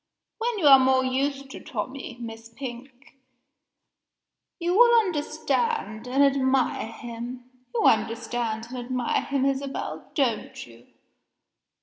When you are more used to Tommie, Miss Pink, you will understand and admire him. You understand and admire him, Isabel don't you?